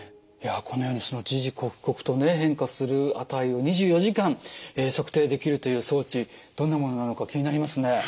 いやこのようにその時々刻々とね変化する値を２４時間測定できるという装置どんなものなのか気になりますね。